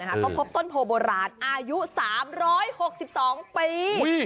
เขาพบต้นโพโบราณอายุ๓๖๒ปี